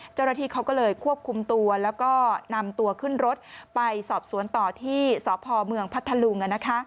เจ้าหน้าที่เขาก็เลยควบคุมตัวแล้วก็นำตัวขึ้นรถไปสอบสวนต่อที่สพเมืองพัทธลุง